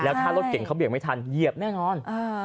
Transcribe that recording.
แล้วถ้ารถเจ๋งเขาเบียกไม่ทันเหยียบแน่นอน